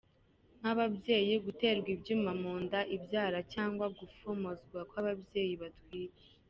Nk’ ababyeyi guterwa ibyuma mu nda ibyara, cyangwa gufomozwa kw’ababyeyi batwite.